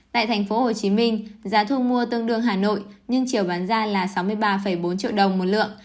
tại tp hcm giá thu mua tương đương hà nội nhưng chiều bán ra là sáu mươi ba bốn triệu đồng một lượng